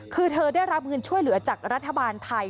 คือเธอได้รับเงินช่วยเหลือจากรัฐบาลไทย